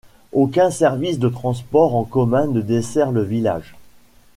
Aucun service de transport en commun ne dessert le village.